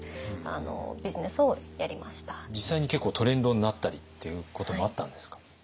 実際に結構トレンドになったりっていうこともあったんですか？